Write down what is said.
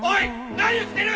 何をしてる！？